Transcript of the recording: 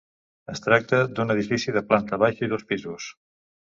Es tracta d'un edifici de planta baixa i dos pisos.